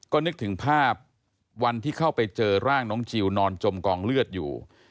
ก็นึกถึงภาพวันที่เข้าไปเจอร่างน้องจิลนอนจมกองเลือดอยู่